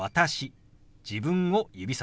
自分を指さします。